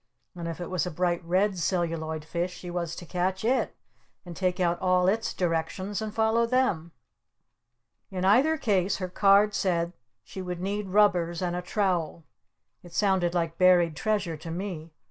And if it was a Bright Red Celluloid Fish she was to catch it! And take out all its Directions and follow them! In either case her card said she would need rubbers and a trowel. It sounded like Buried Treasure to me!